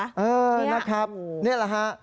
เออนะครับนี่แหละฮะ